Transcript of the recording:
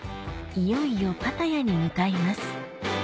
いよいよパタヤに向かいます